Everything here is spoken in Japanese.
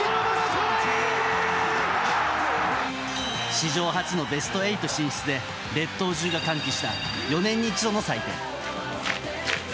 史上初のベスト８進出で列島中が歓喜した４年に一度の祭典。